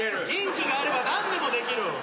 「元気があればなんでもできる」。